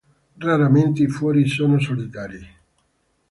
Raramente i fiori sono solitari.